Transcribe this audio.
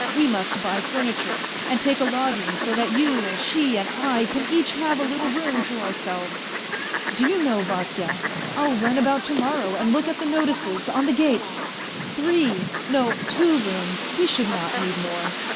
We must buy furniture, and take a lodging so that you and she and I can each have a little room to ourselves. Do you know, Vasya, I'll run about to morrow and look at the notices, on the gates ! Three ... no, two rooms, we should not need more.